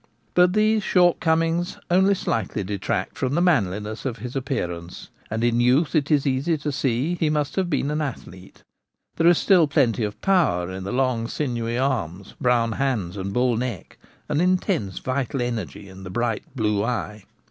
But these short comings only slightly detract from the manliness of his appearance, and in youth it is easy to see that he io The Gamekeeper at Home. must have been an athlete. There is still plenty of power in the long sinewy arms, brown hands, and bull neck, and intense vital energy in the bright blue eye.